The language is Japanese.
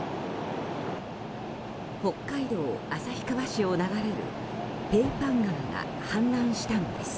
北海道旭川市を流れるペーパン川が氾濫したのです。